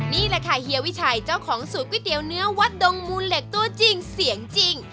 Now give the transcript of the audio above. นี่แหละค่ะเฮียวิชัยเจ้าของสูตรก๋วยเตี๋ยวเนื้อวัดดงมูลเหล็กตัวจริงเสียงจริง